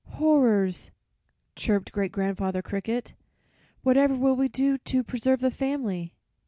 horrors!' chirped Great grandfather Cricket. 'Whatever will we do to preserve the family?'